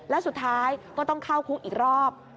แล้วสุดท้ายก็ต้องเข้าคุกอีกรอบ